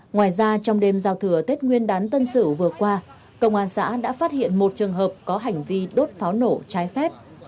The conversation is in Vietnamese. ngoài ra trong đêm giao thừa tết nguyên đán tân sử vừa qua công an xã đã phát hiện một trường hợp có hành vi đốt pháo nổ trái phép